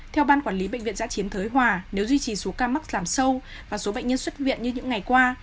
theo ban quản lý bệnh viện giã chiến thới hòa nếu duy trì số ca mắc giảm sâu và số bệnh nhân xuất viện như những ngày qua